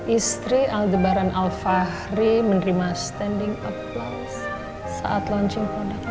istri aldebaran alfahri menerima standing applause saat launching produk maharaja